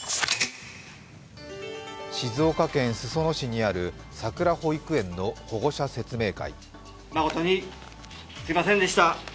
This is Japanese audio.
静岡県裾野市にあるさくら保育園の保護者説明会。